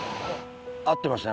会ってました